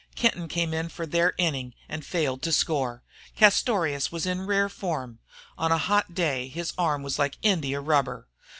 Kenton came in for their inning and failed to score. Castorious was in rare form; on a hot day his arm was like India rubber.